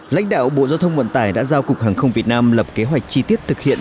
lãnh đạo bộ giao thông vận tải đã giao cục hàng không việt nam lập kế hoạch chi tiết thực hiện